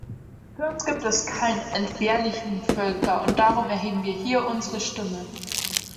Für uns gibt es keine entbehrlichen Völker, und darum erheben wir hier unsere Stimme.